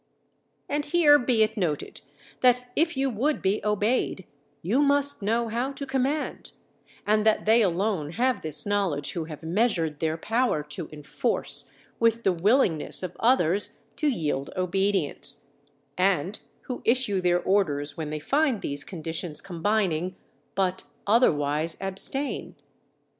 And here be it noted that if you would be obeyed you must know how to command, and that they alone have this knowledge who have measured their power to enforce, with the willingness of others to yield obedience; and who issue their orders when they find these conditions combining, but, otherwise, abstain.